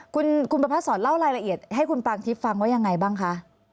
คุณประพัดสอนเล่ารายละเอียดให้คุณปางทิพย์ฟังว่ายังไงบ้างคะ